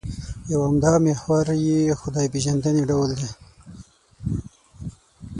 یو عمده محور یې خدای پېژندنې ډول دی.